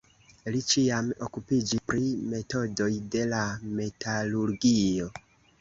Li ĉiam okupiĝis pri metodoj de la metalurgio.